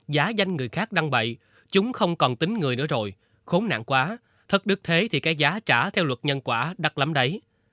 giá danh người khác đăng bậy chúng không còn tính người nữa rồi khốn nặng quá thất đức thế thì cái giá trả theo luật nhân quả đặt lắm đấy